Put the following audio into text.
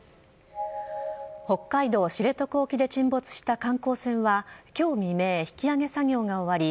北海道知床沖で沈没した観光船は今日未明引き揚げ作業が終わり